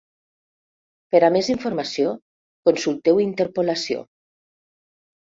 Per a més informació, consulteu interpolació.